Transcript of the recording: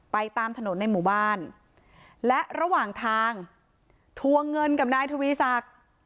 ตามถนนในหมู่บ้านและระหว่างทางทวงเงินกับนายทวีศักดิ์